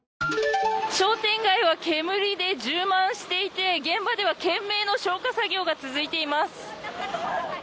商店街は煙で充満していて現場では懸命の消火作業が続いています。